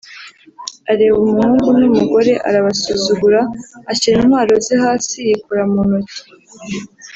areba umuhungu n’umugore arabasuzugura; ashyira intwaro ze hasi yikora mu ntoki